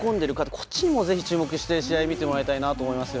こっちにもぜひ、注目して試合を見てもらいたいなと思います。